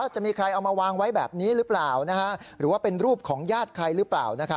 จะมีใครเอามาวางไว้แบบนี้หรือเปล่าหรือว่าเป็นรูปของญาติใครหรือเปล่า